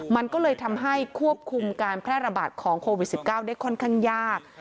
มันก็เลยทำให้ควบคุมการแพร่ระบาดของโควิด๑๙ได้ค่อนข้างยาก